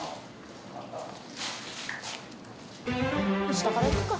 下から行くか。